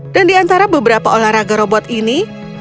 dan di antara beberapa olahraga robot ini